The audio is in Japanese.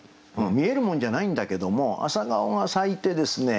見えるもんじゃないんだけども朝顔が咲いてですね